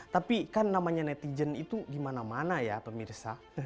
tapi kan namanya netizen itu dimana mana ya pemirsa